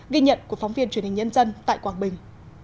ghi nhận của phóng viên truyền hình nhân dân tại quảng bình